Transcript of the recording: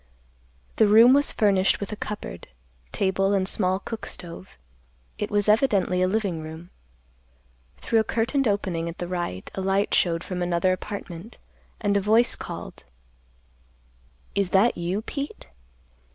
The room was furnished with a cupboard, table and small cook stove. It was evidently a living room. Through a curtained opening at the right, a light showed from another apartment, and a voice called, "Is that you, Pete?"